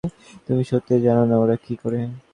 তুমি সত্যিই জানো না ওরা কী করে?